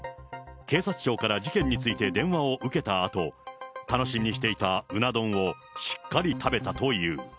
警察庁から事件について電話を受けたあと、楽しみにしていたうな丼をしっかり食べたという。